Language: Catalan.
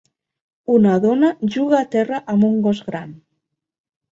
Un dona juga a terra amb un gos gran.